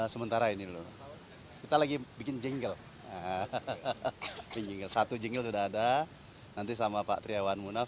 sementara ini loh kita lagi bikin jengkel satu jenggil sudah ada nanti sama pak triawan munaf